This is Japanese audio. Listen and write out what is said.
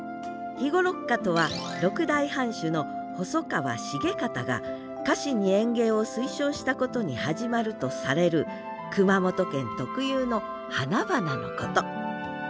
肥後六花とは６代藩主の細川重賢が家臣に園芸を推奨したことに始まるとされる熊本県特有の花々のこと。